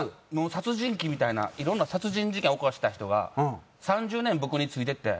殺人鬼みたいないろんな殺人事件起こした人が３０年僕についてて。